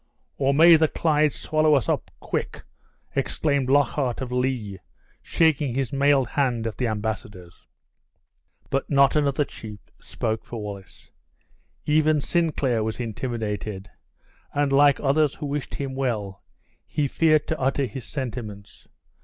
"Or may the Clyde swallow us up, quick!" exclaimed Lockhart of Lee, shaking his mailed hand at the embassadors. But not another chief spoke for Wallace. Even Sinclair was intimidated, and like others who wished him well, he feared to utter his sentiments.